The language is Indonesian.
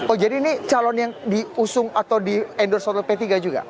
oh jadi ini calon yang diusung atau di endorse oleh p tiga juga